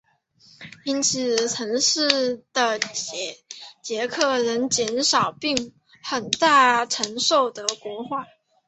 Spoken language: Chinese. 因此城市的捷克人减少并很大程度德国化。